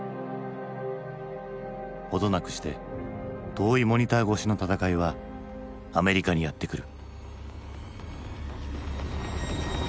程なくして遠いモニター越しの戦いはアメリカにやってくる。